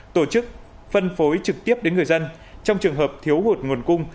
tổ chức phân phối trực tiếp đến người dân trong trường hợp thiếu hụt nguồn cung